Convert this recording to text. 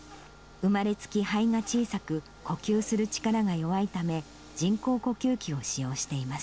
生まれつき肺が小さく、呼吸する力が弱いため、人工呼吸器を使用しています。